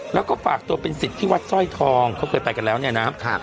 แล้วก็ฝากตัวเป็นสิทธิ์ที่วัดสร้อยทองเขาเคยไปกันแล้วเนี่ยนะครับ